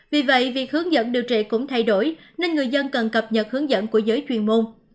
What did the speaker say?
vì vậy việc hướng dẫn điều trị cũng thay đổi nên người dân cần cập nhật hướng dẫn của giới chuyên môn